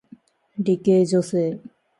理系女性